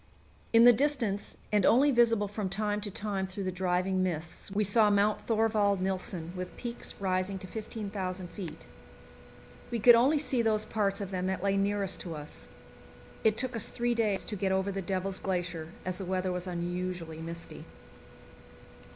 In the distance, and only visible from time to time through the driving mists, we saw Mount Thorvald Nilsen, with peaks rising to 15,000 feet. We could only see those parts of them that lay nearest to us. It took us three days to get over the Devil's Glacier, as the weather was unusually misty.